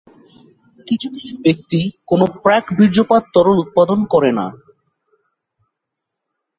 কিছু কিছু ব্যক্তি কোনও প্রাক-বীর্যপাত তরল উৎপাদন করে না।